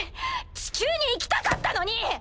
地球に行きたかったのに！